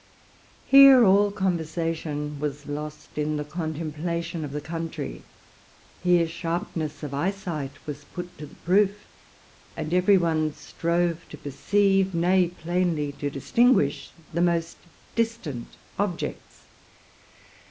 Here all conversation was lost in the contemplation of the country: here sharp ness of eyesight was put to the proof, and every one strove to perceive, nay, plainly to distinguish, the most distant objects.